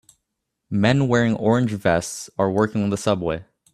Men wearing orange vests are working on the subway